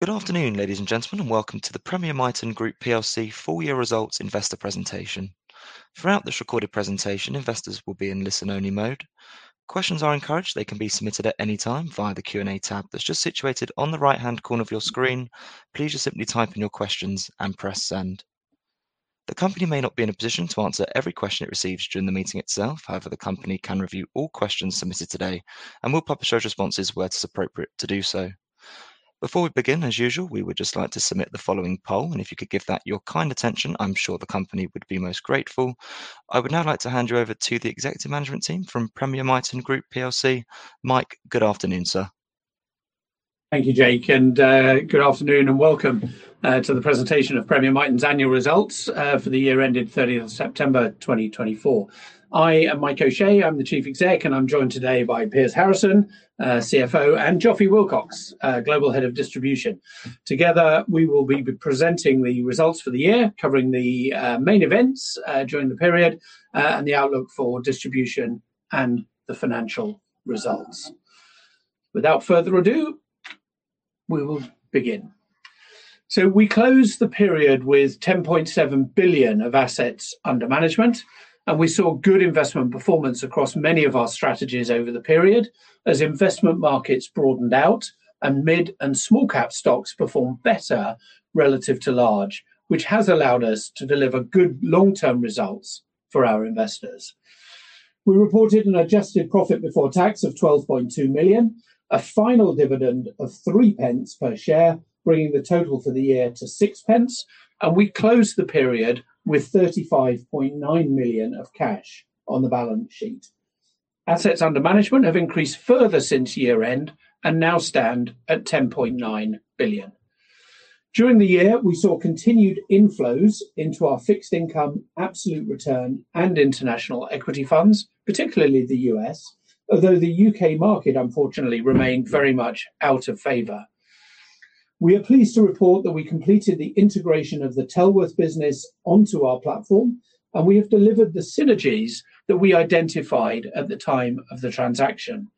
Good afternoon, ladies and gentlemen, and welcome to the Premier Miton Group plc full year results investor presentation. Throughout this recorded presentation, investors will be in listen only mode. Questions are encouraged. They can be submitted at any time via the Q&A tab that's just situated on the right-hand corner of your screen. Please just simply type in your questions and press Send. The company may not be in a position to answer every question it receives during the meeting itself. However, the company can review all questions submitted today and will publish those responses where it is appropriate to do so. Before we begin, as usual, we would just like to submit the following poll, and if you could give that your kind attention, I'm sure the company would be most grateful. I would now like to hand you over to the executive management team from Premier Miton Group plc. Mike, good afternoon, sir. Thank you, Jake, and good afternoon and welcome to the presentation of Premier Miton's annual results for the year ended 30 September 2024. I am Mike O'Shea. I'm the chief exec, and I'm joined today by Piers Harrison, CFO and Jonathan Willcocks, Global Head of Distribution. Together we will be presenting the results for the year, covering the main events during the period and the outlook for distribution and the financial results. Without further ado, we will begin. We closed the period with 10.7 billion of assets under management, and we saw good investment performance across many of our strategies over the period as investment markets broadened out and mid and small-cap stocks performed better relative to large, which has allowed us to deliver good long-term results for our investors. We reported an adjusted profit before tax of 12.2 million, a final dividend of three pence per share, bringing the total for the year to six pence, and we closed the period with 35.9 million of cash on the balance sheet. Assets under management have increased further since year-end and now stand at 10.9 billion. During the year, we saw continued inflows into our fixed income, absolute return and international equity funds, particularly the U.S. Although the U.K. market unfortunately remained very much out of favor. We are pleased to report that we completed the integration of the Tellworth business onto our platform, and we have delivered the synergies that we identified at the time of the transaction.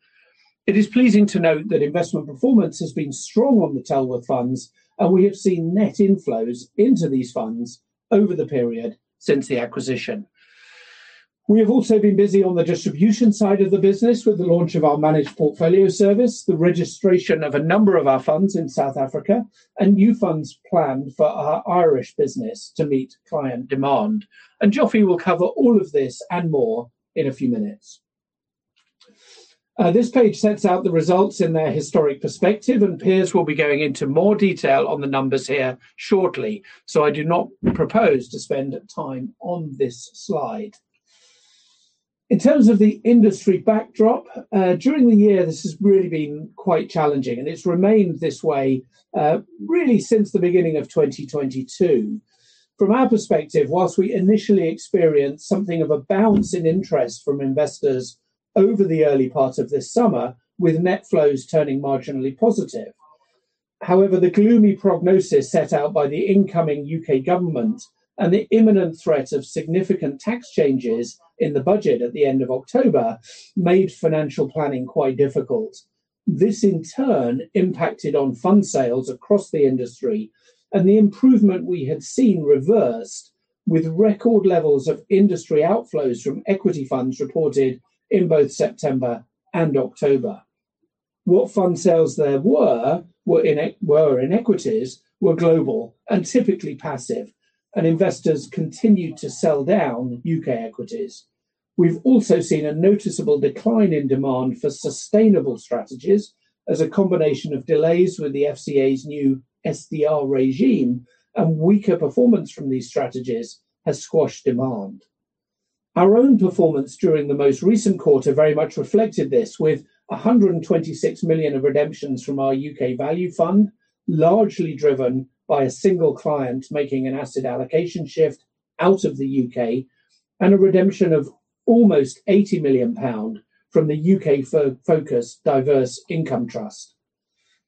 It is pleasing to note that investment performance has been strong on the Tellworth funds, and we have seen net inflows into these funds over the period since the acquisition. We have also been busy on the distribution side of the business with the launch of our Managed Portfolio Service, the registration of a number of our funds in South Africa and new funds planned for our Irish business to meet client demand. Geoffrey will cover all of this and more in a few minutes. This page sets out the results in their historic perspective, and Piers will be going into more detail on the numbers here shortly. I do not propose to spend time on this slide. In terms of the industry backdrop, during the year this has really been quite challenging and it's remained this way, really since the beginning of 2022. From our perspective, while we initially experienced something of a bounce in interest from investors over the early part of this summer, with net flows turning marginally positive. However, the gloomy prognosis set out by the incoming U.K. government and the imminent threat of significant tax changes in the budget at the end of October, made financial planning quite difficult. This, in turn, impacted on fund sales across the industry and the improvement we had seen reversed with record levels of industry outflows from equity funds reported in both September and October. What fund sales there were in equities, global and typically passive, and investors continued to sell down U.K. equities. We've also seen a noticeable decline in demand for sustainable strategies as a combination of delays with the FCA's new SDR regime and weaker performance from these strategies has squashed demand. Our own performance during the most recent quarter very much reflected this, with 126 million of redemptions from our U.K. value fund, largely driven by a single client making an asset allocation shift out of the U.K. and a redemption of almost 80 million pound from the U.K.-focused Diverse Income Trust.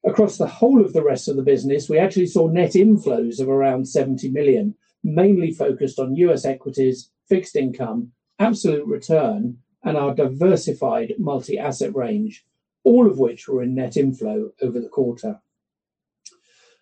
Across the whole of the rest of the business, we actually saw net inflows of around 70 million, mainly focused on U.S. equities, fixed income, absolute return and our diversified multi-asset range, all of which were in net inflow over the quarter.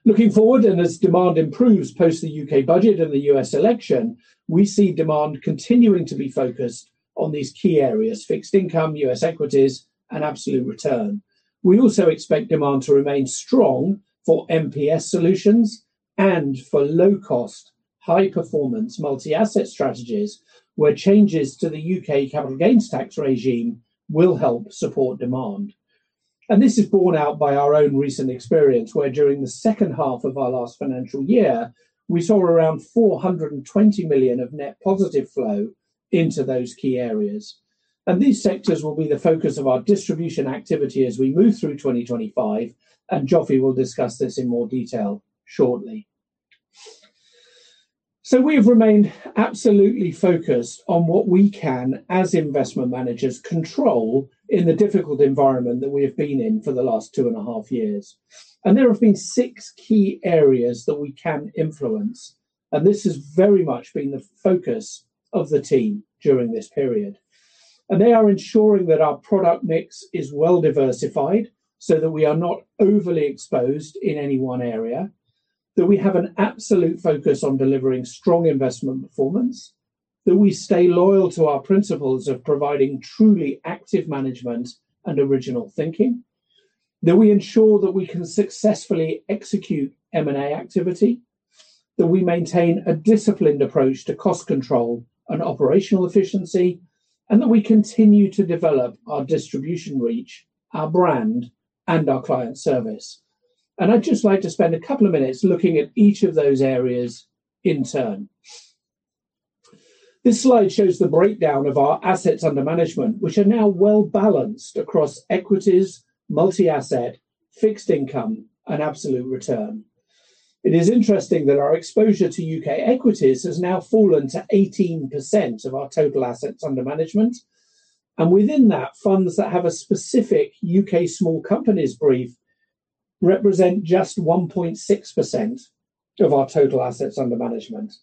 Looking forward and as demand improves post the U.K. budget and the U.S. election, we see demand continuing to be focused on these key areas, fixed income, U.S. equities and absolute return. We also expect demand to remain strong for MPS Solutions and for low cost, high performance multi-asset strategies, where changes to the U.K. Capital Gains Tax regime will help support demand. This is borne out by our own recent experience, where during the second half of our last financial year, we saw around 420 million of net positive flow into those key areas, and these sectors will be the focus of our distribution activity as we move through 2025 and Jonathan Willcocks will discuss this in more detail shortly. We've remained absolutely focused on what we can, as investment managers, control in the difficult environment that we have been in for the last two and a half years. There have been six key areas that we can influence, and this has very much been the focus of the team during this period. They are ensuring that our product mix is well-diversified so that we are not overly exposed in any one area, that we have an absolute focus on delivering strong investment performance, that we stay loyal to our principles of providing truly active management and original thinking, that we ensure that we can successfully execute M&A activity, that we maintain a disciplined approach to cost control and operational efficiency, and that we continue to develop our distribution reach, our brand, and our client service. I'd just like to spend a couple of minutes looking at each of those areas in turn. This slide shows the breakdown of our assets under management, which are now well-balanced across equities, multi-asset, fixed income, and absolute return. It is interesting that our exposure to U.K. equities has now fallen to 18% of our total assets under management. Within that, funds that have a specific U.K. small companies brief represent just 1.6% of our total assets under management.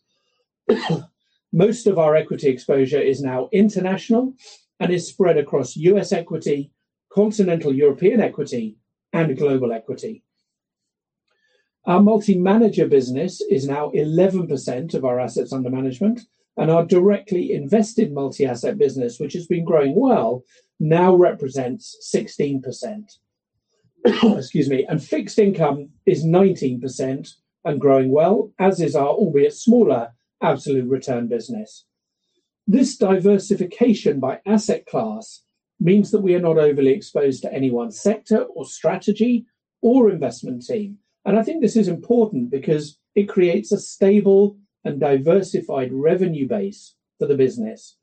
Most of our equity exposure is now international and is spread across U.S. equity, continental European equity, and global equity. Our multi-manager business is now 11% of our assets under management. Our directly invested multi-asset business, which has been growing well, now represents 16%. Excuse me. Fixed income is 19% and growing well, as is our albeit smaller absolute return business. This diversification by asset class means that we are not overly exposed to any one sector or strategy or investment team. I think this is important because it creates a stable and diversified revenue base for the business.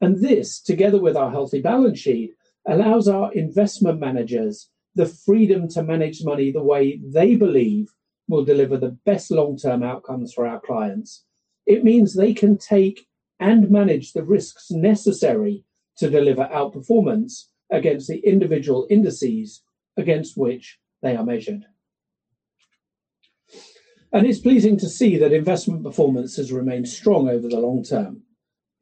This, together with our healthy balance sheet, allows our investment managers the freedom to manage money the way they believe will deliver the best long-term outcomes for our clients. It means they can take and manage the risks necessary to deliver outperformance against the individual indices against which they are measured. It's pleasing to see that investment performance has remained strong over the long term.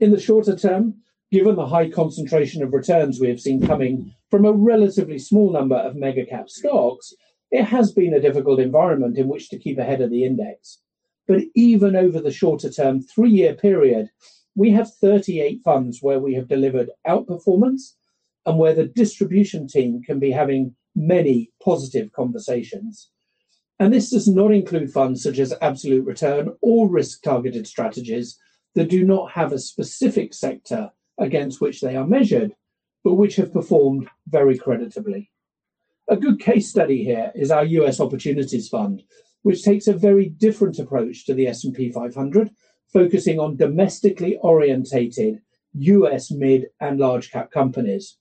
In the shorter term, given the high concentration of returns we have seen coming from a relatively small number of mega-cap stocks, it has been a difficult environment in which to keep ahead of the index. Even over the shorter term three-year period, we have 38 funds where we have delivered outperformance and where the distribution team can be having many positive conversations. This does not include funds such as absolute return or risk targeted strategies that do not have a specific sector against which they are measured but which have performed very creditably. A good case study here is our US Opportunities Fund, which takes a very different approach to the S&P 500, focusing on domestically oriented U.S. mid- and large-cap companies.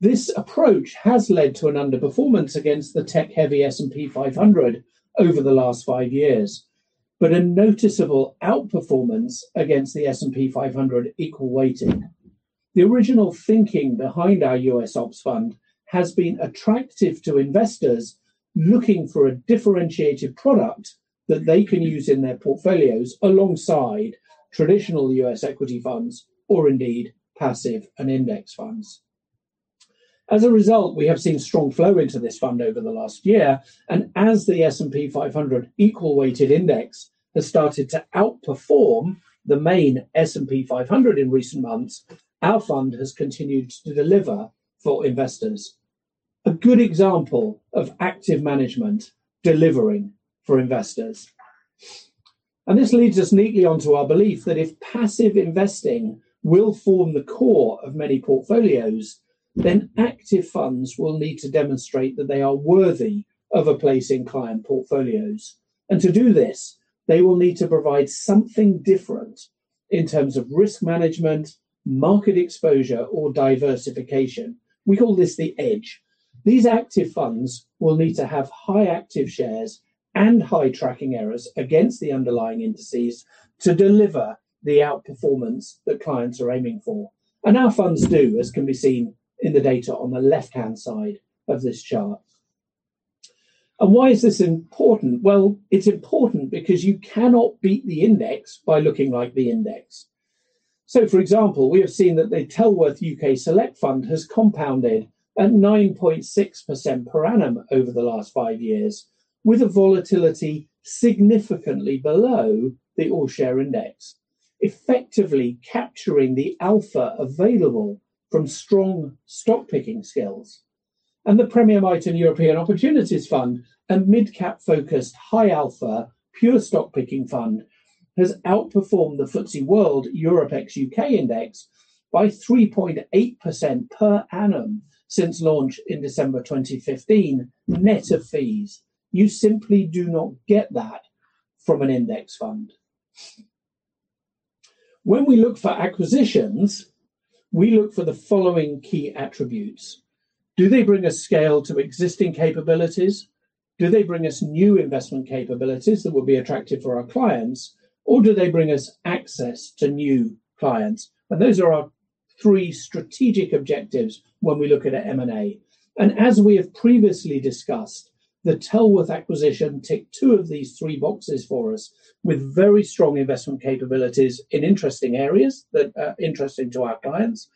This approach has led to an underperformance against the tech-heavy S&P 500 over the last five years, but a noticeable outperformance against the S&P 500 equal weighting. The original thinking behind our US Opportunities Fund has been attractive to investors looking for a differentiated product that they can use in their portfolios alongside traditional U.S. equity funds or indeed passive and index funds. As a result, we have seen strong flow into this fund over the last year. As the S&P 500 Equal Weight Index has started to outperform the main S&P 500 in recent months, our fund has continued to deliver for investors. A good example of active management delivering for investors. This leads us neatly onto our belief that if passive investing will form the core of many portfolios, then active funds will need to demonstrate that they are worthy of a place in client portfolios. To do this, they will need to provide something different in terms of risk management, market exposure or diversification. We call this the edge. These active funds will need to have high Active Shares and high tracking errors against the underlying indices to deliver the outperformance that clients are aiming for. Our funds do, as can be seen in the data on the left-hand side of this chart. Why is this important? Well, it's important because you cannot beat the index by looking like the index. For example, we have seen that the Tellworth UK Select Fund has compounded at 9.6% per annum over the last five years with a volatility significantly below the all-share index, effectively capturing the alpha available from strong stock picking skills. The Premier Miton European Opportunities Fund and mid-cap focused high alpha pure stock picking fund has outperformed the FTSE World Europe ex U.K. index by 3.8% per annum since launch in December 2015 net of fees. You simply do not get that from an index fund. When we look for acquisitions, we look for the following key attributes. Do they bring a scale to existing capabilities? Do they bring us new investment capabilities that will be attractive for our clients? Or do they bring us access to new clients? Those are our three strategic objectives when we're looking at M&A. As we have previously discussed, the Tellworth acquisition ticked two of these three boxes for us with very strong investment capabilities in interesting areas that are interesting to our clients,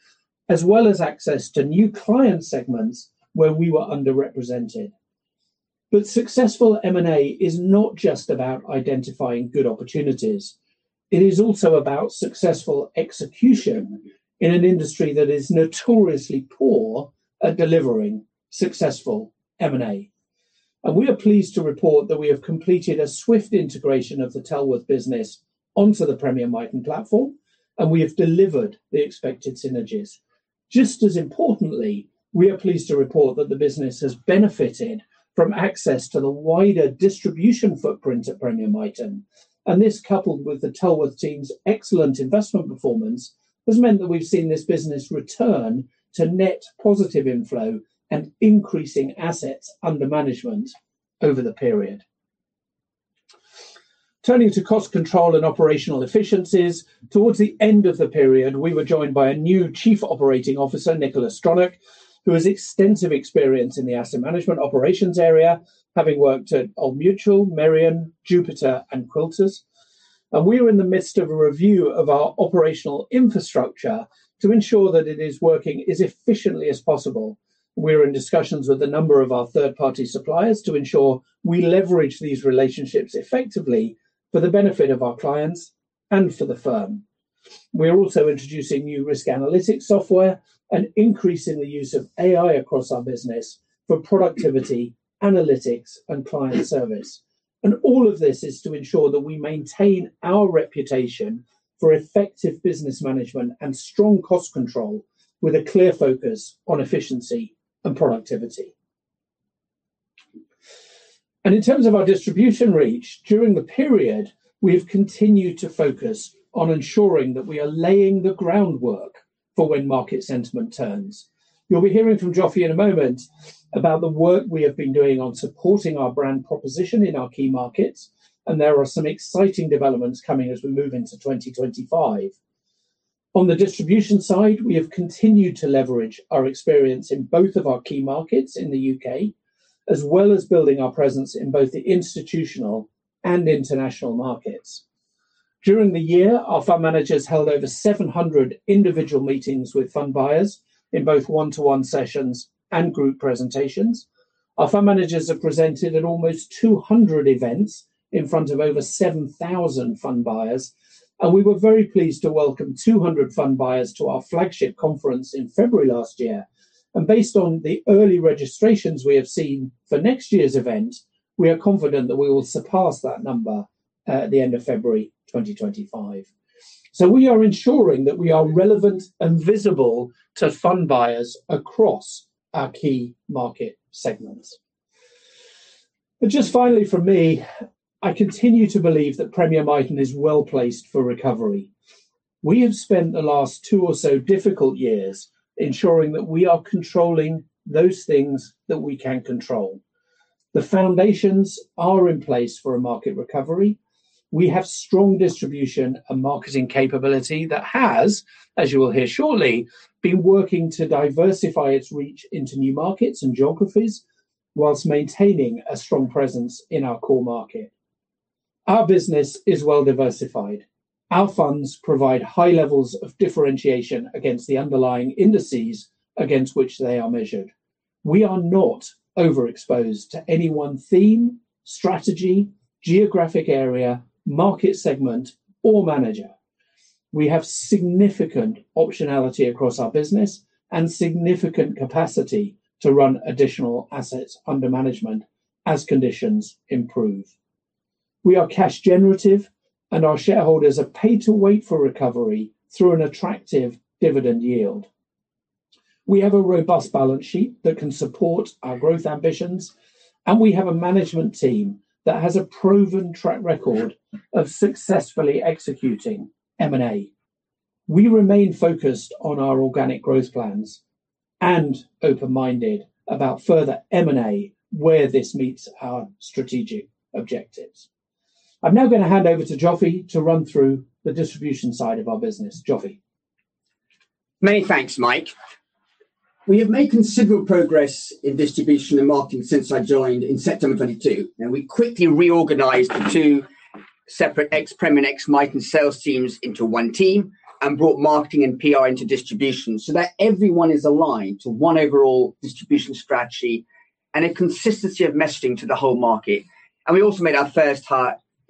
as well as access to new client segments where we were underrepresented. Successful M&A is not just about identifying good opportunities. It is also about successful execution in an industry that is notoriously poor at delivering successful M&A. We are pleased to report that we have completed a swift integration of the Tellworth business onto the Premier Miton platform, and we have delivered the expected synergies. Just as importantly, we are pleased to report that the business has benefited from access to the wider distribution footprint at Premier Miton. This, coupled with the Tellworth team's excellent investment performance, has meant that we've seen this business return to net positive inflow and increasing assets under management over the period. Turning to cost control and operational efficiencies, towards the end of the period, we were joined by a new Chief Operating Officer, Nicola Stronach, who has extensive experience in the asset management operations area, having worked at Old Mutual, Merian, Jupiter and Quilter. We are in the midst of a review of our operational infrastructure to ensure that it is working as efficiently as possible. We're in discussions with a number of our third-party suppliers to ensure we leverage these relationships effectively for the benefit of our clients and for the firm. We're also introducing new risk analytics software and increasing the use of AI across our business for productivity, analytics and client service. All of this is to ensure that we maintain our reputation for effective business management and strong cost control with a clear focus on efficiency and productivity. In terms of our distribution reach, during the period, we have continued to focus on ensuring that we are laying the groundwork for when market sentiment turns. You'll be hearing from Jonathan Willcocks in a moment about the work we have been doing on supporting our brand proposition in our key markets, and there are some exciting developments coming as we move into 2025. On the distribution side, we have continued to leverage our experience in both of our key markets in the U.K., as well as building our presence in both the institutional and international markets. During the year, our fund managers held over 700 individual meetings with fund buyers in both one-to-one sessions and group presentations. Our fund managers have presented at almost 200 events in front of over 7,000 fund buyers, and we were very pleased to welcome 200 fund buyers to our flagship conference in February last year. Based on the early registrations we have seen for next year's event, we are confident that we will surpass that number at the end of February 2025. We are ensuring that we are relevant and visible to fund buyers across our key market segments. Just finally from me, I continue to believe that Premier Miton is well-placed for recovery. We have spent the last two or so difficult years ensuring that we are controlling those things that we can control. The foundations are in place for a market recovery. We have strong distribution and marketing capability that has, as you will hear shortly, been working to diversify its reach into new markets and geographies while maintaining a strong presence in our core market. Our business is well-diversified. Our funds provide high levels of differentiation against the underlying indices against which they are measured. We are not overexposed to any one theme, strategy, geographic area, market segment or manager. We have significant optionality across our business and significant capacity to run additional assets under management as conditions improve. We are cash generative, and our shareholders are paid to wait for recovery through an attractive dividend yield. We have a robust balance sheet that can support our growth ambitions, and we have a management team that has a proven track record of successfully executing M&A. We remain focused on our organic growth plans and open-minded about further M&A where this meets our strategic objectives. I'm now going to hand over to Jonathan Willcocks to run through the distribution side of our business. Jonathan Willcocks. Many thanks, Mike. We have made considerable progress in distribution and marketing since I joined in September 2022. Now, we quickly reorganized the two separate ex-Premier and ex-Miton sales teams into one team and brought marketing and PR into distribution so that everyone is aligned to one overall distribution strategy and a consistency of messaging to the whole market. We also made our first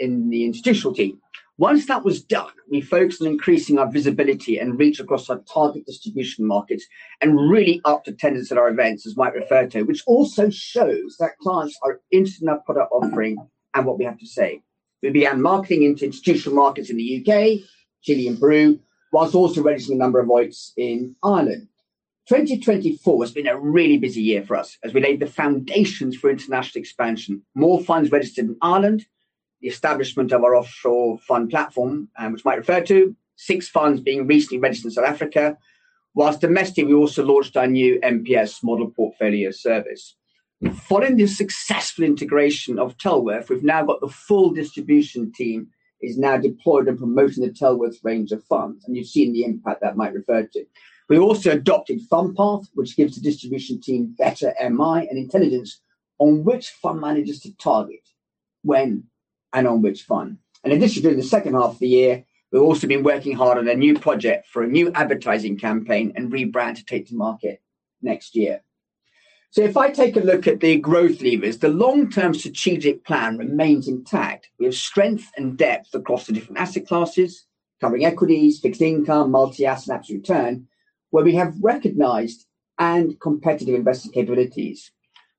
hire in the institutional team. Once that was done, we focused on increasing our visibility and reach across our target distribution markets and really upped attendance at our events, as Mike referred to, which also shows that clients are interested in our product offering and what we have to say. We began marketing into institutional markets in the U.K., Chile and Peru, while also registering a number of OEICs in Ireland. 2024 has been a really busy year for us as we laid the foundations for international expansion. More funds registered in Ireland, the establishment of our offshore fund platform, which Mike referred to, six funds being recently registered in South Africa. While domestically, we also launched our new MPS model portfolio service. Following the successful integration of Tellworth, we've now got the full distribution team deployed and promoting the Tellworth range of funds, and you've seen the impact that Mike referred to. We also adopted FundPath, which gives the distribution team better MI and intelligence on which fund managers to target and what funds. In addition to the second half of the year, we've also been working hard on a new project for a new advertising campaign and rebrand to take to market next year. If I take a look at the growth levers, the long-term strategic plan remains intact. We have strength and depth across the different asset classes, covering equities, fixed income, multi-asset and absolute return, where we have recognized and competitive investment capabilities.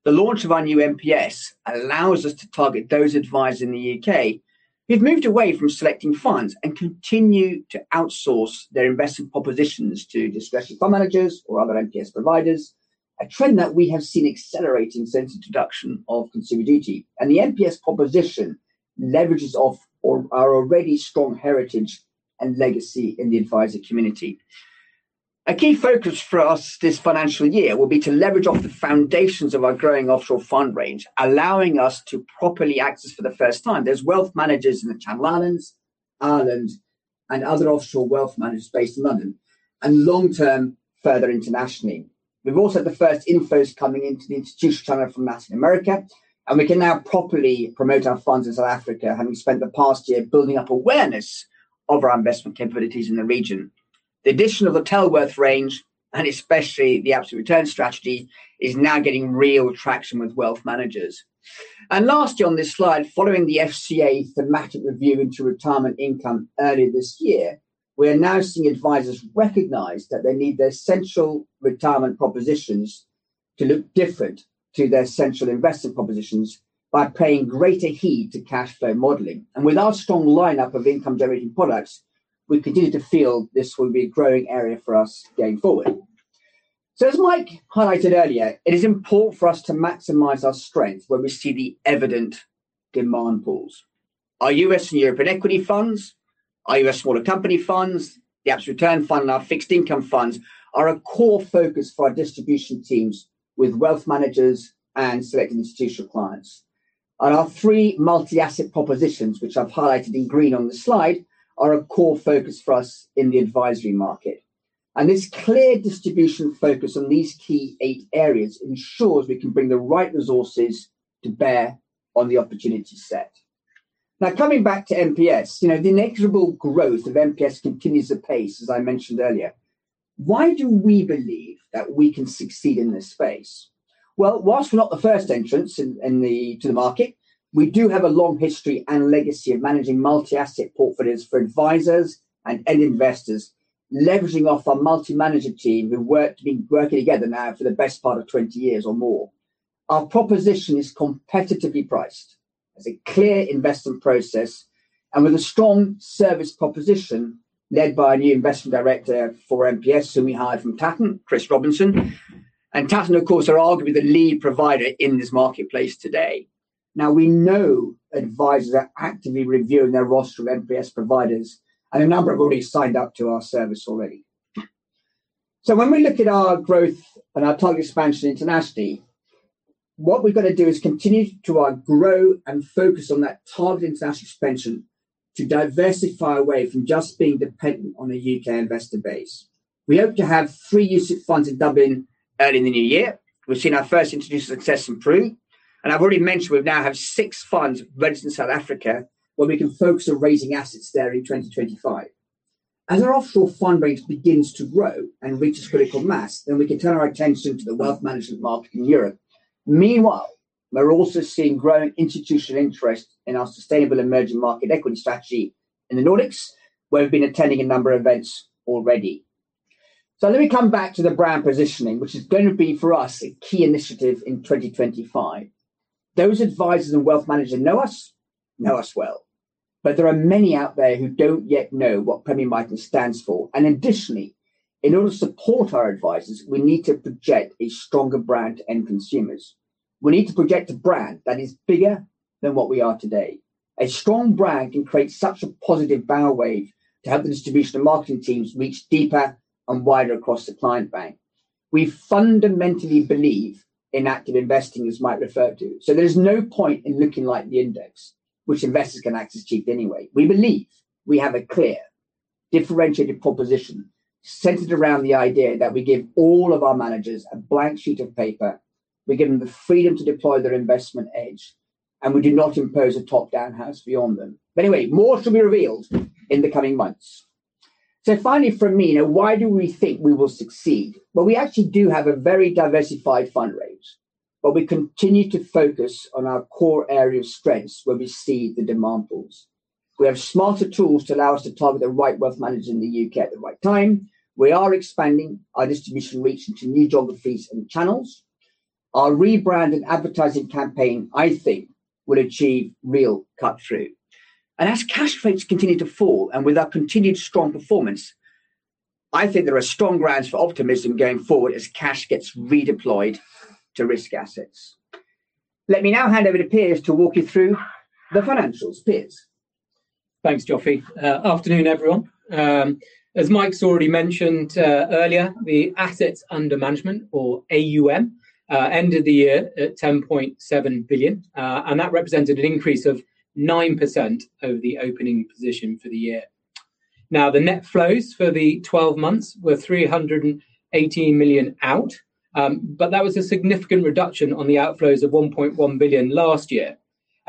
The launch of our new MPS allows us to target those advisors in the U.K. who've moved away from selecting funds and continue to outsource their investment propositions to discretionary fund managers or other MPS providers, a trend that we have seen accelerating since introduction of Consumer Duty. The MPS proposition leverages off our already strong heritage and legacy in the advisor community. A key focus for us this financial year will be to leverage off the foundations of our growing offshore fund range, allowing us to properly access for the first time. There are wealth managers in the Channel Islands, Ireland, and other offshore wealth managers based in London and long-term further internationally. We've also had the first inflows coming into the institution channel from Latin America, and we can now properly promote our funds in South Africa, having spent the past year building up awareness of our investment capabilities in the region. The addition of the Tellworth range, and especially the absolute return strategy, is now getting real traction with wealth managers. Lastly on this slide, following the FCA thematic review into retirement income earlier this year, we are now seeing advisors recognize that they need their central retirement propositions to look different to their central investment propositions by paying greater heed to cash flow modeling. With our strong lineup of income generating products, we continue to feel this will be a growing area for us going forward. As Mike highlighted earlier, it is important for us to maximize our strengths where we see the evident demand pools. Our U.S. and European equity funds, our U.S. smaller company funds, the absolute return fund and our fixed income funds are a core focus for our distribution teams with wealth managers and select institutional clients. Our three multi-asset propositions, which I've highlighted in green on the slide, are a core focus for us in the advisory market. This clear distribution focus on these key eight areas ensures we can bring the right resources to bear on the opportunity set. Now coming back to MPS, you know, the inexorable growth of MPS continues apace, as I mentioned earlier. Why do we believe that we can succeed in this space? Well, while we're not the first entrants to the market, we do have a long history and legacy of managing multi-asset portfolios for advisors and end investors, leveraging off our multi-manager team who been working together now for the best part of 20 years or more. Our proposition is competitively priced as a clear investment process and with a strong service proposition led by a new Investment Director for MPS who we hired from Tatton, Chris Robinson. Tatton, of course, are arguably the lead provider in this marketplace today. Now we know advisors are actively reviewing their roster of MPS providers, and a number have already signed up to our service already. When we look at our growth and our target expansion internationally, what we're gonna do is continue to grow and focus on that target international expansion to diversify away from just being dependent on a U.K. investor base. We hope to have three UCITS funds in Dublin early in the new year. We've seen our first institutional success in Peru. I've already mentioned we now have six funds registered in South Africa, where we can focus on raising assets there in 2025. As our offshore fund range begins to grow and reaches critical mass, then we can turn our attention to the wealth management market in Europe. Meanwhile, we're also seeing growing institutional interest in our sustainable emerging market equity strategy in the Nordics, where we've been attending a number of events already. Let me come back to the brand positioning, which is going to be for us a key initiative in 2025. Those advisors and wealth managers know us, know us well. There are many out there who don't yet know what Premier Miton stands for. Additionally, in order to support our advisors, we need to project a stronger brand to end consumers. We need to project a brand that is bigger than what we are today. A strong brand can create such a positive banner wave to help the distribution and marketing teams reach deeper and wider across the client bank. We fundamentally believe in active investing, as Mike referred to. There's no point in looking like the index, which investors can access cheap anyway. We believe we have a clear differentiated proposition centered around the idea that we give all of our managers a blank sheet of paper. We give them the freedom to deploy their investment edge, and we do not impose a top-down house view on them. Anyway, more to be revealed in the coming months. Finally from me, now why do we think we will succeed? Well, we actually do have a very diversified fund range, but we continue to focus on our core area of strengths where we see the demand pools. We have smarter tools to allow us to target the right wealth managers in the U.K. at the right time. We are expanding our distribution reach into new geographies and channels. Our rebrand and advertising campaign I think will achieve real cut-through. As cash rates continue to fall and with our continued strong performance, I think there are strong grounds for optimism going forward as cash gets redeployed to risk assets. Let me now hand over to Piers to walk you through the financials. Piers. Thanks, Jonathan Willcocks. Afternoon, everyone. As Mike's already mentioned earlier, the assets under management or AUM ended the year at 10.7 billion. That represented an increase of 9% over the opening position for the year. Now, the net flows for the 12 months were 380 million out, but that was a significant reduction on the outflows of 1.1 billion last year.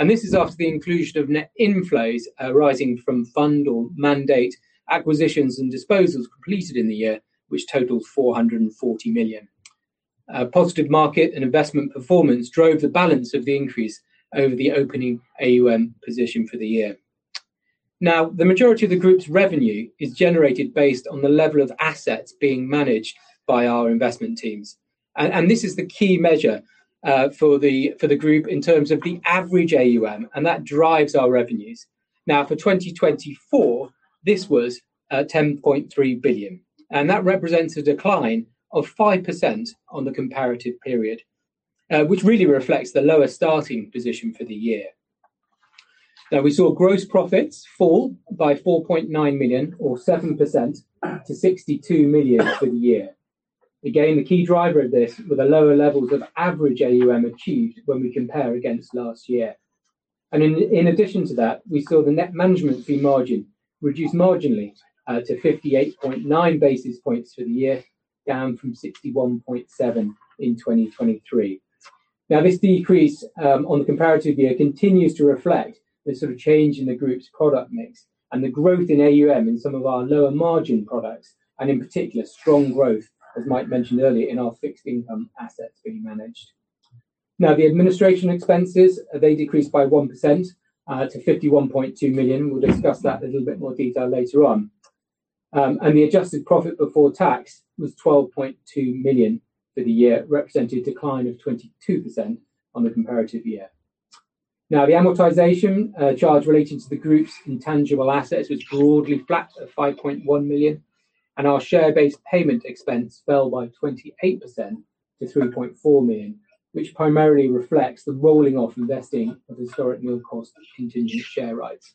This is after the inclusion of net inflows arising from fund or mandate acquisitions and disposals completed in the year, which totaled 440 million. Positive market and investment performance drove the balance of the increase over the opening AUM position for the year. Now, the majority of the group's revenue is generated based on the level of assets being managed by our investment teams. This is the key measure for the group in terms of the average AUM, and that drives our revenues. For 2024, this was 10.3 billion, and that represents a decline of 5% on the comparative period, which really reflects the lower starting position for the year. We saw gross profits fall by 4.9 million or 7% to 62 million for the year. Again, the key driver of this were the lower levels of average AUM achieved when we compare against last year. In addition to that, we saw the net management fee margin reduce marginally to 58.9 basis points for the year, down from 61.7 in 2023. Now, this decrease on the comparative year continues to reflect the sort of change in the group's product mix and the growth in AUM in some of our lower margin products, and in particular, strong growth, as Mike mentioned earlier, in our fixed income assets being managed. Now, the administration expenses, they decreased by 1% to 51.2 million. We'll discuss that in a little bit more detail later on. The adjusted profit before tax was 12.2 million for the year, representing a decline of 22% on the comparative year. Now, the amortization charge relating to the group's intangible assets was broadly flat at 5.1 million, and our share-based payment expense fell by 28% to 3.4 million, which primarily reflects the rolling off vesting of historic nil-cost conditional share rights.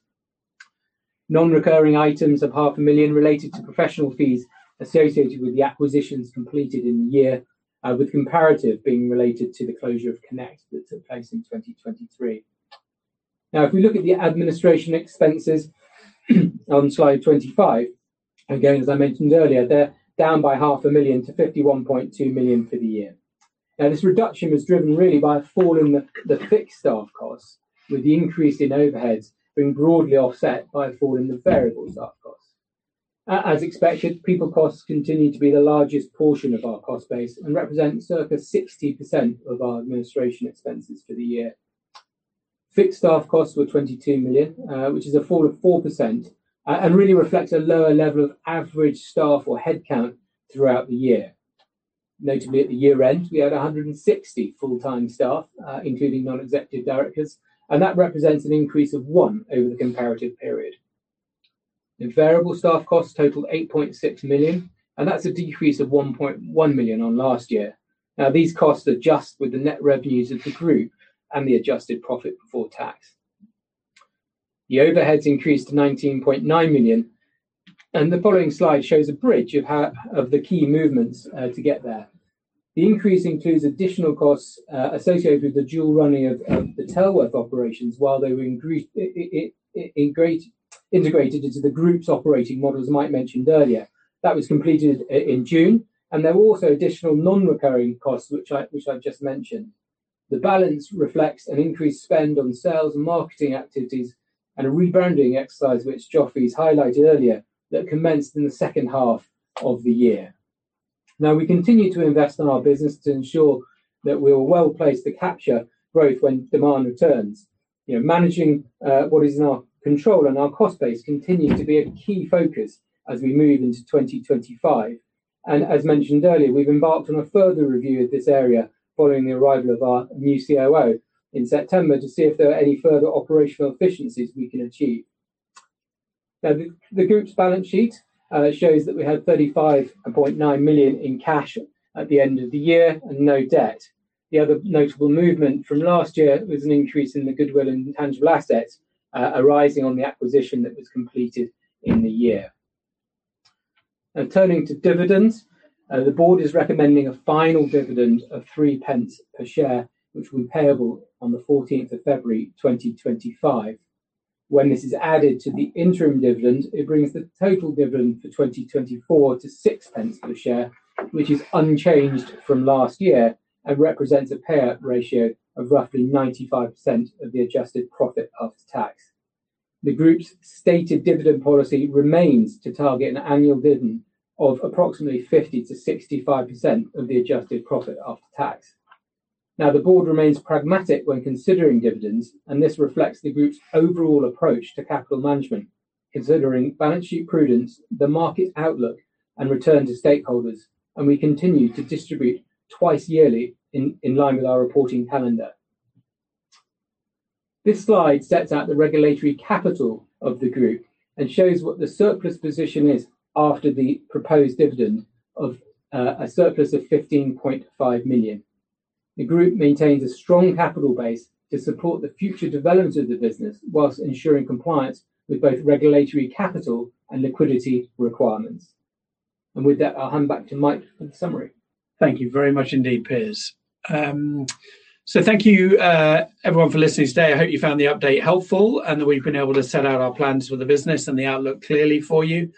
Non-recurring items of 500,000 related to professional fees associated with the acquisitions completed in the year, with comparative being related to the closure of Connect that took place in 2023. Now, if we look at the administration expenses on slide 25, again, as I mentioned earlier, they're down by 500,000 to 51.2 million for the year. Now, this reduction was driven really by a fall in the fixed staff costs, with the increase in overheads being broadly offset by a fall in the variable staff costs. As expected, people costs continue to be the largest portion of our cost base and represent circa 60% of our administration expenses for the year. Fixed staff costs were 22 million, which is a fall of 4%, and really reflects a lower level of average staff or head count throughout the year. Notably, at the year-end, we had 160 full-time staff, including non-executive directors, and that represents an increase of 1 over the comparative period. The variable staff costs total 8.6 million, and that's a decrease of 1.1 million on last year. Now, these costs adjust with the net revenues of the group and the adjusted profit before tax. The overheads increased to 19.9 million, and the following slide shows a bridge of the key movements to get there. The increase includes additional costs associated with the dual running of the Tellworth operations while they were integrated into the group's operating model, as Mike mentioned earlier. That was completed in June, and there were also additional non-recurring costs, which I just mentioned. The balance reflects an increased spend on sales and marketing activities and a rebranding exercise, which Jofi's highlighted earlier, that commenced in the second half of the year. Now, we continue to invest in our business to ensure that we are well-placed to capture growth when demand returns. You know, managing what is in our control and our cost base continues to be a key focus as we move into 2025. As mentioned earlier, we've embarked on a further review of this area following the arrival of our new COO in September to see if there are any further operational efficiencies we can achieve. Now, the group's balance sheet shows that we had 35.9 million in cash at the end of the year and no debt. The other notable movement from last year was an increase in the goodwill and tangible assets arising on the acquisition that was completed in the year. Now turning to dividends, the board is recommending a final dividend of three pence per share, which will be payable on the 14th of February, 2025. When this is added to the interim dividend, it brings the total dividend for 2024 to six pence per share, which is unchanged from last year and represents a payout ratio of roughly 95% of the adjusted profit after tax. The group's stated dividend policy remains to target an annual dividend of approximately 50%-65% of the adjusted profit after tax. Now, the board remains pragmatic when considering dividends, and this reflects the group's overall approach to capital management, considering balance sheet prudence, the market outlook, and return to stakeholders, and we continue to distribute twice yearly in line with our reporting calendar. This slide sets out the regulatory capital of the group and shows what the surplus position is after the proposed dividend, a surplus of 15.5 million. The group maintains a strong capital base to support the future development of the business while ensuring compliance with both regulatory capital and liquidity requirements. With that, I'll hand back to Mike for the summary. Thank you very much indeed, Piers. Thank you, everyone for listening today. I hope you found the update helpful, and that we've been able to set out our plans for the business and the outlook clearly for you.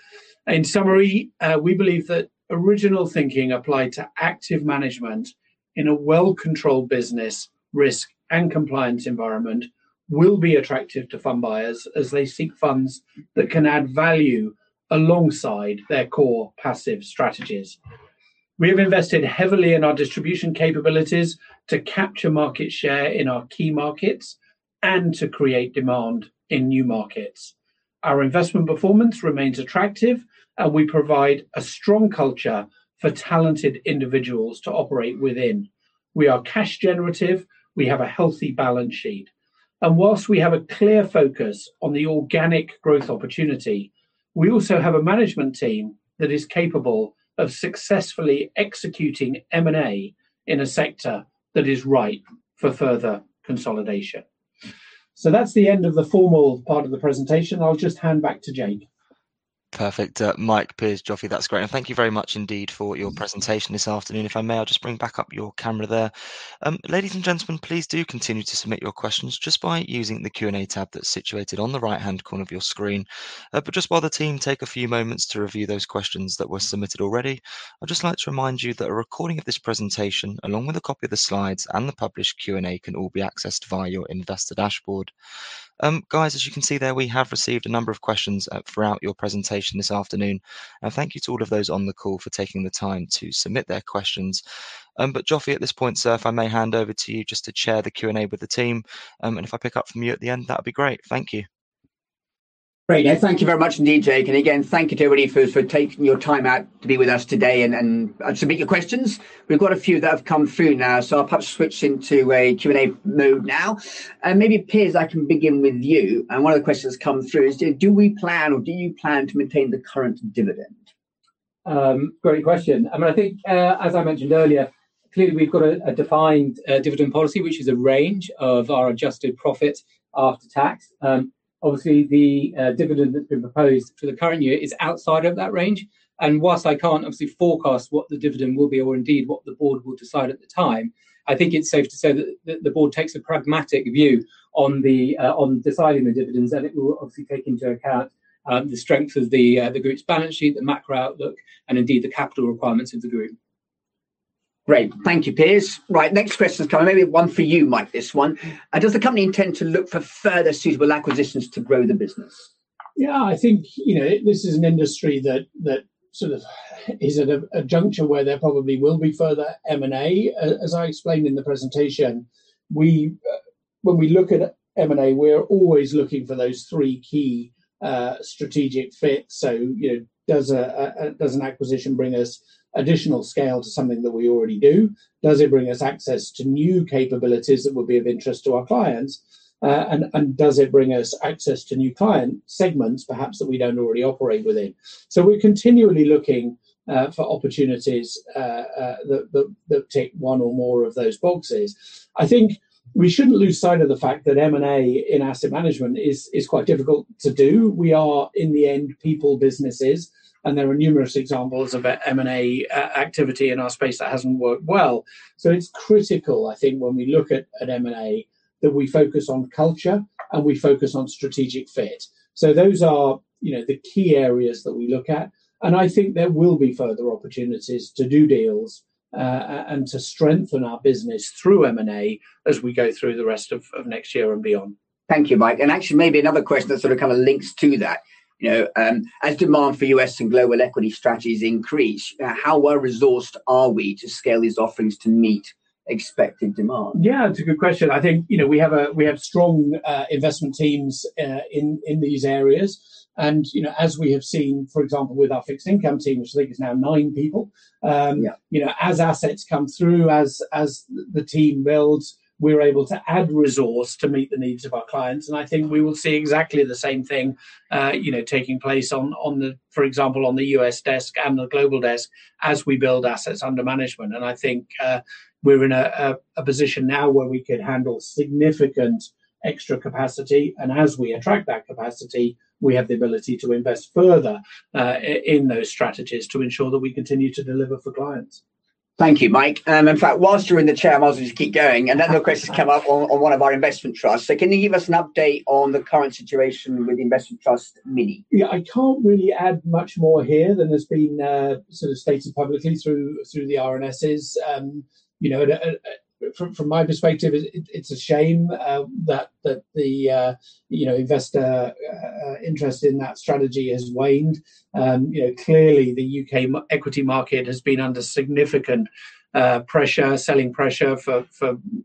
In summary, we believe that original thinking applied to active management in a well-controlled business risk and compliance environment will be attractive to fund buyers as they seek funds that can add value alongside their core passive strategies. We have invested heavily in our distribution capabilities to capture market share in our key markets and to create demand in new markets. Our investment performance remains attractive, and we provide a strong culture for talented individuals to operate within. We are cash generative, we have a healthy balance sheet. While we have a clear focus on the organic growth opportunity, we also have a management team that is capable of successfully executing M&A in a sector that is ripe for further consolidation. That's the end of the formal part of the presentation. I'll just hand back to Jake. Perfect. Mike, Piers, Jofi, that's great. Thank you very much indeed for your presentation this afternoon. If I may, I'll just bring back up your camera there. Ladies and gentlemen, please do continue to submit your questions just by using the Q&A tab that's situated on the right-hand corner of your screen. Just while the team take a few moments to review those questions that were submitted already, I'd just like to remind you that a recording of this presentation, along with a copy of the slides and the published Q&A, can all be accessed via your investor dashboard. Guys, as you can see there, we have received a number of questions throughout your presentation this afternoon. Thank you to all of those on the call for taking the time to submit their questions. Jonathan Willcocks, at this point, sir, if I may hand over to you just to chair the Q&A with the team. If I pick up from you at the end, that'd be great. Thank you. Great. Yeah, thank you very much indeed, Jake. Again, thank you to everybody for taking your time out to be with us today and submit your questions. We've got a few that have come through now, so I'll perhaps switch into a Q&A mode now. Maybe, Piers, I can begin with you. One of the questions come through is do we plan or do you plan to maintain the current dividend? Great question. I mean, I think, as I mentioned earlier, clearly we've got a defined dividend policy, which is a range of our adjusted profit after tax. Obviously the dividend that's been proposed for the current year is outside of that range. While I can't obviously forecast what the dividend will be or indeed what the board will decide at the time, I think it's safe to say that the board takes a pragmatic view on deciding the dividends. It will obviously take into account the strength of the group's balance sheet, the macro outlook, and indeed the capital requirements of the group. Great. Thank you, Piers. Right. Next question's come, maybe one for you, Mike, this one. Does the company intend to look for further suitable acquisitions to grow the business? Yeah. I think, you know, this is an industry that sort of is at a juncture where there probably will be further M&A. As I explained in the presentation, when we look at M&A, we're always looking for those three key strategic fits. You know, does an acquisition bring us additional scale to something that we already do? Does it bring us access to new capabilities that would be of interest to our clients? And does it bring us access to new client segments, perhaps that we don't already operate within? We're continually looking for opportunities that tick one or more of those boxes. I think we shouldn't lose sight of the fact that M&A in asset management is quite difficult to do. We are, in the end, people businesses, and there are numerous examples of M&A activity in our space that hasn't worked well. It's critical, I think, when we look at M&A, that we focus on culture and we focus on strategic fit. Those are, you know, the key areas that we look at. I think there will be further opportunities to do deals and to strengthen our business through M&A as we go through the rest of next year and beyond. Thank you, Mike. Actually maybe another question that sort of kind of links to that, you know. As demand for U.S. and global equity strategies increase, how well-resourced are we to scale these offerings to meet expected demand? Yeah, it's a good question. I think, you know, we have strong investment teams in these areas. You know, as we have seen, for example, with our fixed income team, which I think is now nine people. Yeah. You know, as assets come through, as the team builds, we're able to add resource to meet the needs of our clients. I think we will see exactly the same thing, you know, taking place, for example, on the U.S. desk and the global desk as we build assets under management. I think we're in a position now where we can handle significant extra capacity. As we attract that capacity, we have the ability to invest further in those strategies to ensure that we continue to deliver for clients. Thank you, Mike. In fact, while you're in the chair, I might as well just keep going. Another question's come up on one of our investment trusts. Can you give us an update on the current situation with Miton Investment Trust? Yeah. I can't really add much more here than has been sort of stated publicly through the RNSs. You know, from my perspective, it's a shame that, you know, investor interest in that strategy has waned. You know, clearly the UK equity market has been under significant pressure, selling pressure for,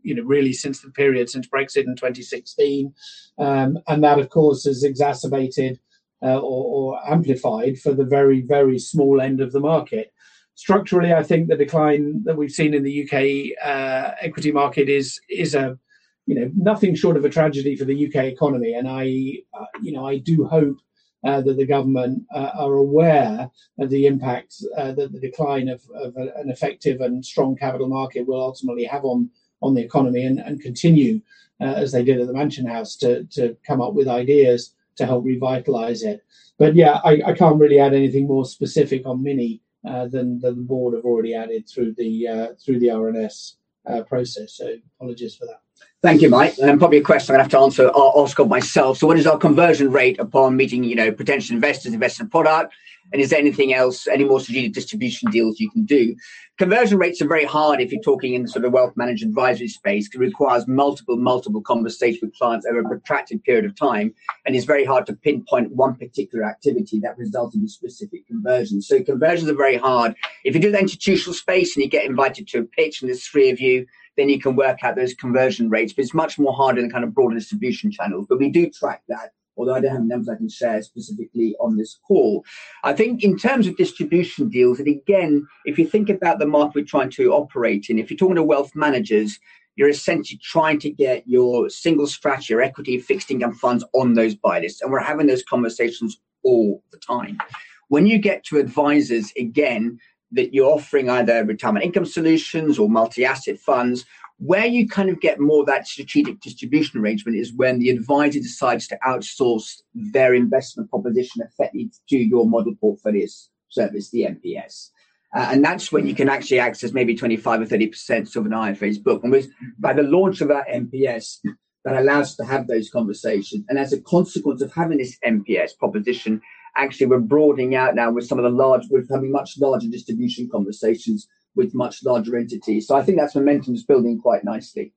you know, really since the period since Brexit in 2016. That of course has exacerbated or amplified for the very, very small end of the market. Structurally, I think the decline that we've seen in the U.K. equity market is a you know, nothing short of a tragedy for the U.K. economy, and I you know, I do hope that the government are aware of the impact that the decline of an effective and strong capital market will ultimately have on the economy and continue as they did at the Mansion House to come up with ideas to help revitalize it. Yeah, I can't really add anything more specific on Miton than the board have already added through the RNS process. Apologies for that. Thank you, Mike. Then probably a question I'm gonna have to answer, ask myself. What is our conversion rate upon meeting, you know, potential investors, investment product, and is there anything else, any more strategic distribution deals you can do? Conversion rates are very hard if you're talking in the sort of wealth managed advisory space, 'cause it requires multiple conversations with clients over a protracted period of time. It's very hard to pinpoint one particular activity that results in a specific conversion. Conversions are very hard. If you do the institutional space and you get invited to a pitch and there's three of you, then you can work out those conversion rates, but it's much more hard in the kind of broader distribution channel. We do track that, although I don't have numbers I can share specifically on this call. I think in terms of distribution deals, and again, if you think about the market we're trying to operate in, if you're talking to wealth managers, you're essentially trying to get your single strat, your equity fixed income funds on those buy lists, and we're having those conversations all the time. When you get to advisors, again, that you're offering either retirement income solutions or multi-asset funds, where you kind of get more of that strategic distribution arrangement is when the advisor decides to outsource their investment proposition effectively to your model portfolios service, the MPS. And that's when you can actually access maybe 25% or 30% of an IFA's book. By the launch of our MPS, that allows us to have those conversations, and as a consequence of having this MPS proposition, actually we're broadening out now with some of the large... We're having much larger distribution conversations with much larger entities. I think that momentum's building quite nicely.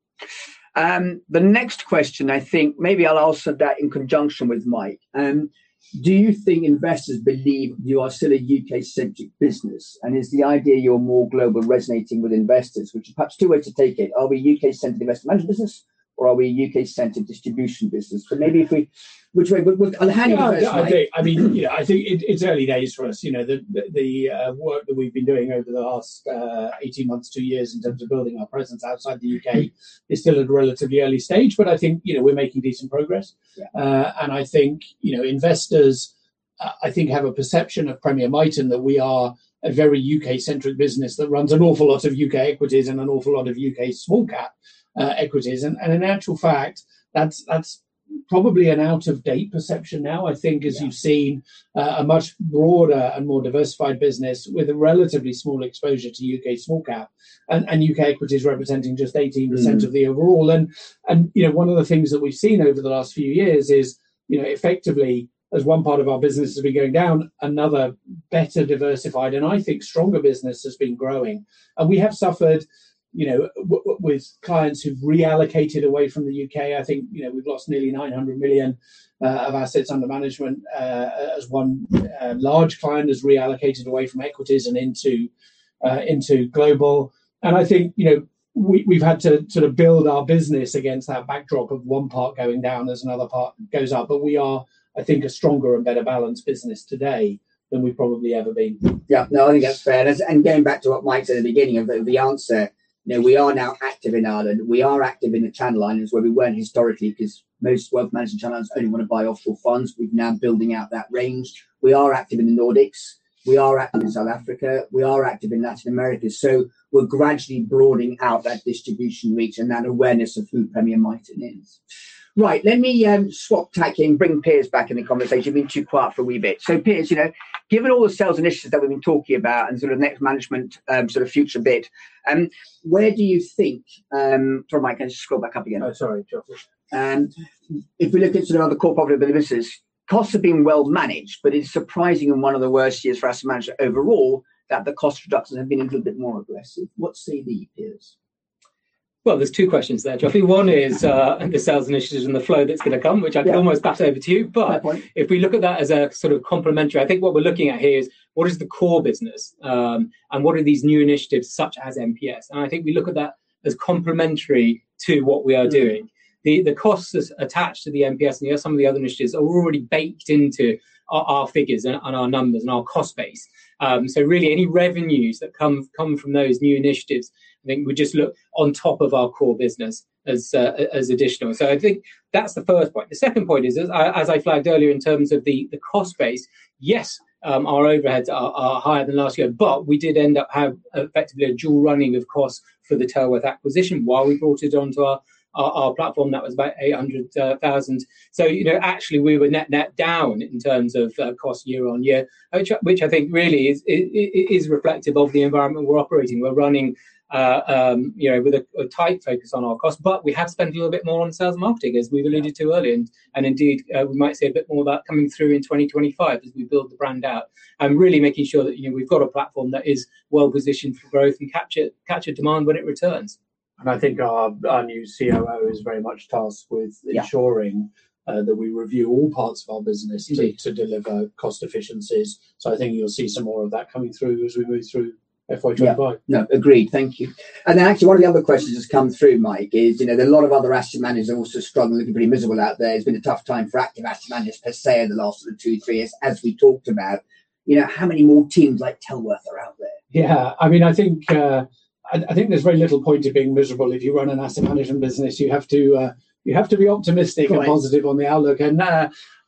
The next question, I think maybe I'll ask that in conjunction with Mike. Do you think investors believe you are still a U.K.-centric business? Is the idea you're more global resonating with investors, which are perhaps two ways to take it. Are we a U.K.-centered investment management business or are we a U.K.-centered distribution business? We'll, I'll hand you first, Mike. I mean, yeah, I think it's early days for us. You know, the work that we've been doing over the last 18 months, two years in terms of building our presence outside the U.K. is still at a relatively early stage, but I think, you know, we're making decent progress. Yeah. I think, you know, investors I think have a perception of Premier Miton that we are a very U.K.-centric business that runs an awful lot of U.K. equities and an awful lot of U.K. small cap equities. In actual fact, that's probably an out of date perception now, I think as you've seen, a much broader and more diversified business with a relatively small exposure to UK small cap and UK equities representing just 18% of the overall. You know, one of the things that we've seen over the last few years is, you know, effectively as one part of our business has been going down, another better diversified and I think stronger business has been growing. We have suffered, you know, with clients who've reallocated away from the UK. I think, you know, we've lost nearly 900 million of assets under management as one large client has reallocated away from equities and into global. I think, you know, we've had to sort of build our business against that backdrop of one part going down as another part goes up. We are, I think, a stronger and better balanced business today than we've probably ever been. Yeah. No, I think that's fair. Going back to what Mike said at the beginning of the answer, you know, we are now active in Ireland. We are active in the Channel Islands where we weren't historically, 'cause most wealth management channels only wanna buy offshore funds. We're now building out that range. We are active in the Nordics. We are active in South Africa. We are active in Latin America. So we're gradually broadening out that distribution reach and that awareness of who Premier Miton is. Right. Let me swap tack and bring Piers back in the conversation. You've been too quiet for a wee bit. Piers, you know, given all the sales initiatives that we've been talking about and sort of next management, sort of future bit, where do you think. Sorry, Mike, I just scroll back up again. Oh, sorry, Jonathan Willcocks. If we look into the other core profit of the business, costs have been well managed, but it's surprising in one of the worst years for asset management overall that the cost reductions have been a little bit more aggressive. What say thee, Piers? Well, there's two questions there, Jofi. One is, the sales initiatives and the flow that's gonna come, which I can almost bat over to you. Yeah. Fair point. If we look at that as a sort of complementary, I think what we're looking at here is what is the core business, and what are these new initiatives such as MPS? I think we look at that as complementary to what we are doing. The costs attached to the MPS and some of the other initiatives are already baked into our figures and our numbers and our cost base. Really any revenues that come from those new initiatives, I think would just look on top of our core business as additional. I think that's the first point. The second point is, as I flagged earlier in terms of the cost base, yes, our overheads are higher than last year, but we did end up have effectively a dual running of course for the Tellworth acquisition while we brought it onto our platform. That was about 800,000. You know, actually we were net down in terms of cost year-over-year, which I think really is reflective of the environment we're operating. We're running you know, with a tight focus on our cost, but we have spent a little bit more on sales and marketing as we've alluded to earlier. Indeed, we might see a bit more of that coming through in 2025 as we build the brand out and really making sure that, you know, we've got a platform that is well positioned for growth and capture demand when it returns. I think our new COO is very much tasked with ensuring that we review all parts of our business to deliver cost efficiencies. I think you'll see some more of that coming through as we move through FY 2025. Yeah. No, agreed. Thank you. Actually one of the other questions that's come through, Mike, is, you know, there are a lot of other asset managers that also struggle, looking pretty miserable out there. It's been a tough time for active asset managers per se in the last sort of two, three years as we talked about. You know, how many more teams like Tellworth are out there? Yeah. I mean, I think there's very little point to being miserable if you run an asset management business. You have to be optimistic. Right Positive on the outlook.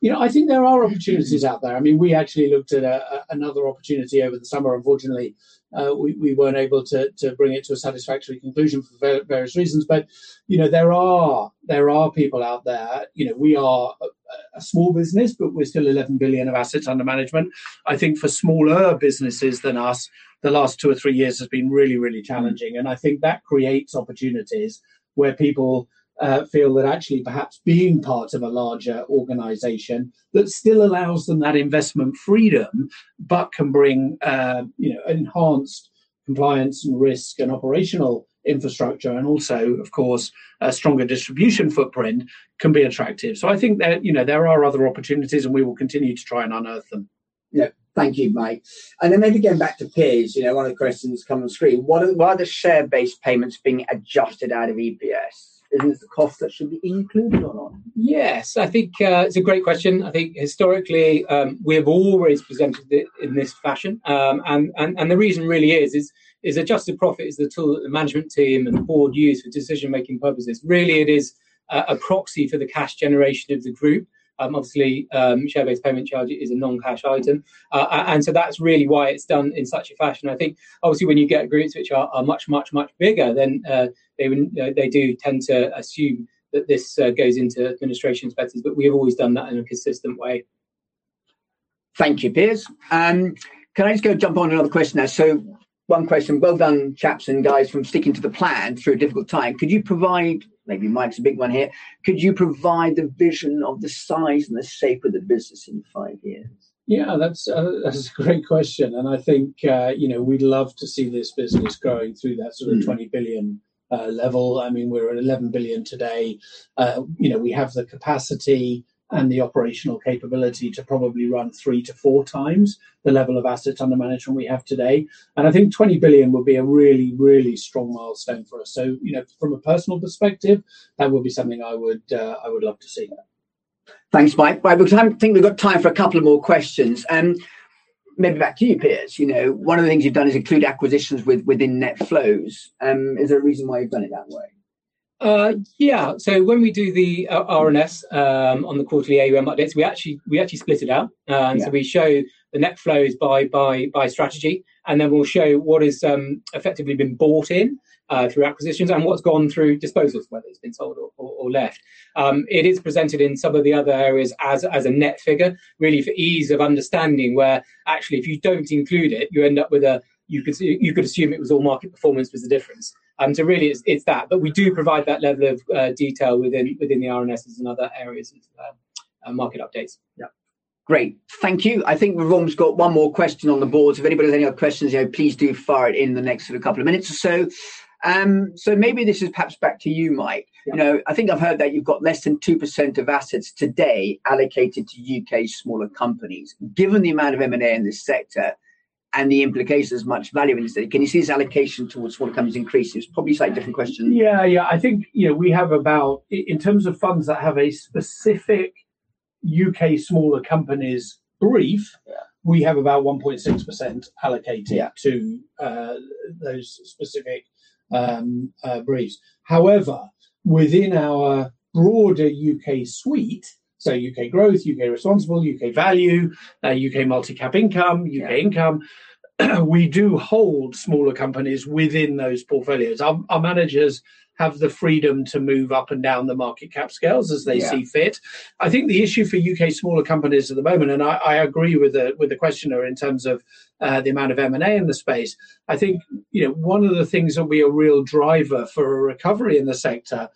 You know, I think there are opportunities out there. I mean, we actually looked at another opportunity over the summer. Unfortunately, we weren't able to bring it to a satisfactory conclusion for various reasons. You know, there are people out there. You know, we are a small business, but we're still 11 billion of assets under management. I think for smaller businesses than us, the last two or three years has been really challenging. I think that creates opportunities where people feel that actually perhaps being part of a larger organization that still allows them that investment freedom, but can bring, you know, enhanced compliance and risk and operational infrastructure and also, of course, a stronger distribution footprint can be attractive. I think that, you know, there are other opportunities, and we will continue to try and unearth them. Yeah. Thank you, Mike. Maybe getting back to Piers, you know, one of the questions come on the screen, what are, why are the share-based payments being adjusted out of EPS? Is this a cost that should be included or not? Yes. I think it's a great question. I think historically we've always presented it in this fashion. The reason really is adjusted profit is the tool that the management team and the board use for decision making purposes. Really it is a proxy for the cash generation of the group. Obviously share-based payment charge is a non-cash item. That's really why it's done in such a fashion. I think obviously when you get groups which are much bigger, then they would. You know, they do tend to assume that this goes into administrations better, but we've always done that in a consistent way. Thank you, Piers. Can I just go jump on another question now? One question. Well done, chaps and guys, for sticking to the plan through a difficult time. Maybe Mike's a big one here. Could you provide the vision of the size and the shape of the business in five years? Yeah, that's a great question. I think, you know, we'd love to see this business growing through that sort of 20 billion level. I mean, we're at 11 billion today. You know, we have the capacity and the operational capability to probably run 3x-4x the level of assets under management we have today. I think 20 billion would be a really, really strong milestone for us. You know, from a personal perspective, that would be something I would love to see. Thanks, Mike. Right, I think we've got time for a couple of more questions. Maybe back to you, Piers. You know, one of the things you've done is include acquisitions within net flows. Is there a reason why you've done it that way? Yeah. When we do the RNS on the quarterly AUM updates, we actually split it out. Yeah. We show the net flows by strategy, and then we'll show what is effectively been bought in through acquisitions and what's gone through disposals, whether it's been sold or left. It is presented in some of the other areas as a net figure really for ease of understanding, where actually if you don't include it, you end up with a. You could assume it was all market performance was the difference. Really it's that we do provide that level of detail within the RNSs and other areas into the market updates. Yeah. Great. Thank you. I think we've almost got one more question on the boards. If anybody has any other questions, you know, please do fire it in the next sort of couple of minutes or so. Maybe this is perhaps back to you, Mike. Yeah. You know, I think I've heard that you've got less than 2% of assets today allocated to U.K. smaller companies. Given the amount of M&A in this sector and the implications much value in this sector, can you see this allocation towards small companies increasing? It's probably a slightly different question. Yeah. I think, you know, we have about in terms of funds that have a specific UK smaller companies brief. Yeah We have about 1.6% allocated to those specific briefs. However, within our broader U.K. suite, so U.K. Growth, U.K. Responsible, U.K. Value, U.K. Multi-Cap Income Yeah U.K. income, we do hold smaller companies within those portfolios. Our managers have the freedom to move up and down the market cap scales as they see fit. Yeah. I think the issue for U.K. smaller companies at the moment, and I agree with the questioner in terms of the amount of M&A in the space. I think, you know, one of the things that'll be a real driver for a recovery in the sector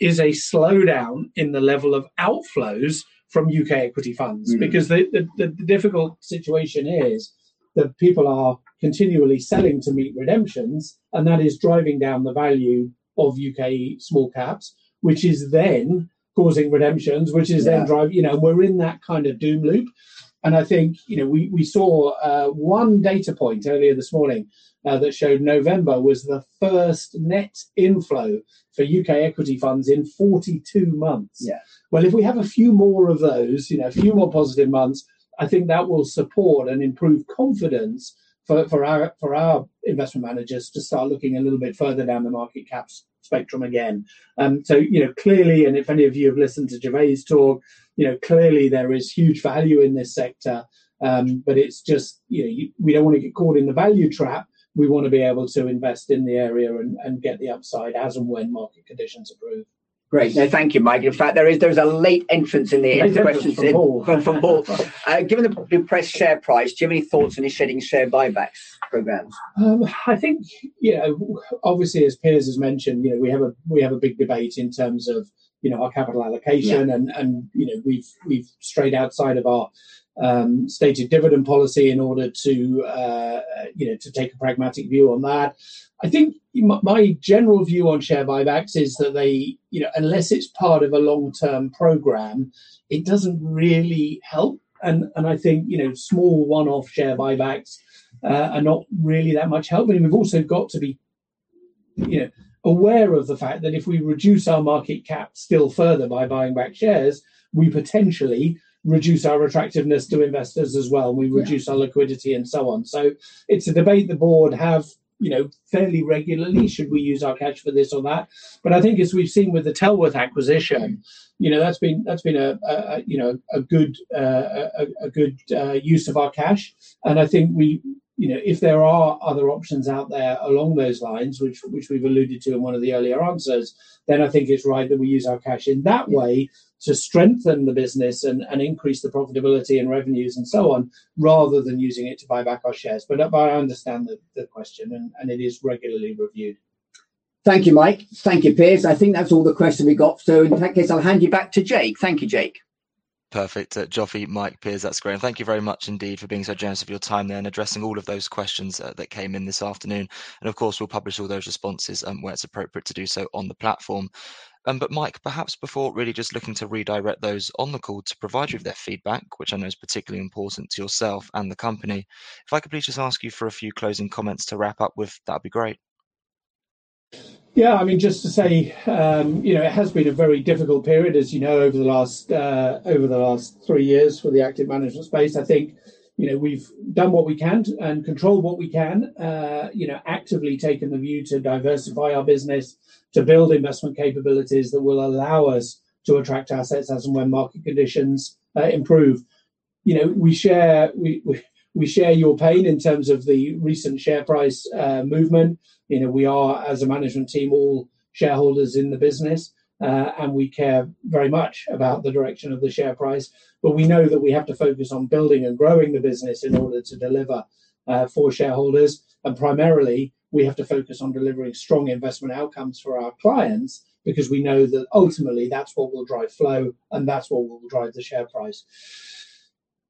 is a slowdown in the level of outflows from U.K. equity funds. Because the difficult situation is that people are continually selling to meet redemptions, and that is driving down the value of U.K. small caps, which is then causing redemptions, which is then you know, we're in that kind of doom loop. I think, you know, we saw one data point earlier this morning that showed November was the first net inflow for U.K. equity funds in 42 months. Yeah. Well, if we have a few more of those, you know, a few more positive months, I think that will support and improve confidence for our investment managers to start looking a little bit further down the market cap spectrum again. You know, clearly, if any of you have listened to Gervais' talk, you know, clearly there is huge value in this sector. It's just, you know, we don't wanna get caught in the value trap. We wanna be able to invest in the area and get the upside as and when market conditions improve. Great. No, thank you, Mike. In fact, there is a late entrance in the questions. Late entrance from Paul. From Paul. Given the depressed share price, do you have any thoughts on initiating share buybacks programs? I think, you know, obviously as Piers has mentioned, you know, we have a big debate in terms of, you know, our capital allocation. Yeah. You know, we've strayed outside of our stated dividend policy in order to you know, to take a pragmatic view on that. I think my general view on share buybacks is that they you know, unless it's part of a long-term program, it doesn't really help. I think you know, small one-off share buybacks are not really that much help. We've also got to be aware of the fact that if we reduce our market cap still further by buying back shares, we potentially reduce our attractiveness to investors as well. Yeah. We reduce our liquidity, and so on. It's a debate the board have, you know, fairly regularly, should we use our cash for this or that? I think as we've seen with the Tellworth acquisition, you know, that's been a good use of our cash. I think we, you know, if there are other options out there along those lines, which we've alluded to in one of the earlier answers, then I think it's right that we use our cash in that way to strengthen the business and increase the profitability and revenues, and so on, rather than using it to buy back our shares. I understand the question and it is regularly reviewed. Thank you, Mike. Thank you, Piers. I think that's all the questions we got. In that case, I'll hand you back to Jake. Thank you, Jake. Perfect. Jofi, Mike, Piers, that's great. Thank you very much indeed for being so generous with your time there and addressing all of those questions that came in this afternoon. Of course, we'll publish all those responses, where it's appropriate to do so on the platform. Mike, perhaps before really just looking to redirect those on the call to provide you with their feedback, which I know is particularly important to yourself and the company, if I could please just ask you for a few closing comments to wrap up with, that'd be great. Yeah. I mean, just to say, you know, it has been a very difficult period, as you know, over the last three years for the active management space. I think, you know, we've done what we can and controlled what we can, you know, actively taken the view to diversify our business, to build investment capabilities that will allow us to attract assets as and when market conditions improve. You know, we share your pain in terms of the recent share price movement. You know, we are, as a management team, all shareholders in the business, and we care very much about the direction of the share price. We know that we have to focus on building and growing the business in order to deliver for shareholders. Primarily, we have to focus on delivering strong investment outcomes for our clients because we know that ultimately that's what will drive flow, and that's what will drive the share price.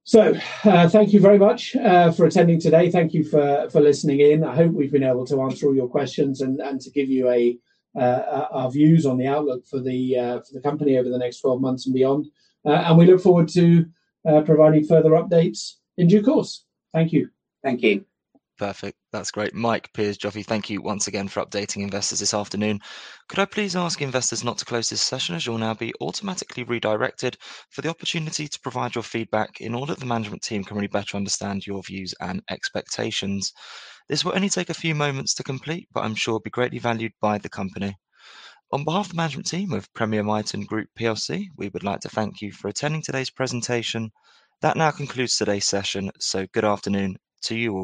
So, thank you very much for attending today. Thank you for listening in. I hope we've been able to answer all your questions and to give you our views on the outlook for the company over the next 12 months and beyond. We look forward to providing further updates in due course. Thank you. Thank you. Perfect. That's great. Mike, Piers, Jofi, thank you once again for updating investors this afternoon. Could I please ask investors not to close this session, as you'll now be automatically redirected for the opportunity to provide your feedback in order that the management team can really better understand your views and expectations. This will only take a few moments to complete, but I'm sure it'll be greatly valued by the company. On behalf of the management team of Premier Miton Group plc, we would like to thank you for attending today's presentation. That now concludes today's session. Good afternoon to you all.